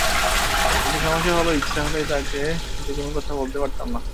কিন্তু সমস্যা হলো, ইচ্ছে হলেই তাকে যেকোনো কথা বলতে পারতাম না।